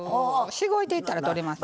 しごいていったら取れます。